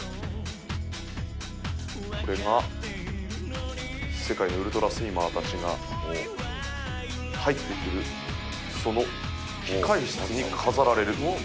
これが世界のウルトラスイマーたちが入ってくるその控室に飾られる。